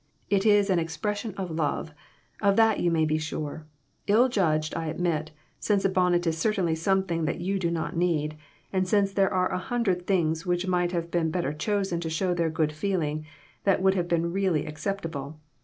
It is an expres sion of love; of that you may be sure; ill judged, I admit, since a bonnet is certainly something that you do not need, and since there are a hun dred things which might have been chosen to show their good feeling, that would have been really acceptable.